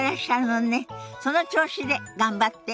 その調子で頑張って。